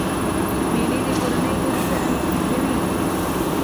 مېلې د کورنۍ غړي سره نږدې کوي.